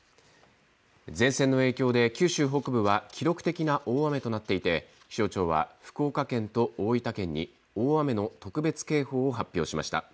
前線の影響で九州北部は記録的な大雨となっていて気象庁は福岡県と大分県に大雨の特別警報を発表しました。